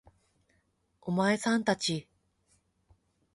お前さん達